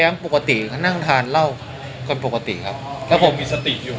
มีสติอยู่